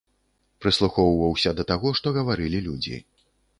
Прыслухоўваўся да таго, што гаварылі людзі.